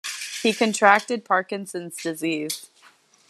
He contracted Parkinson's disease.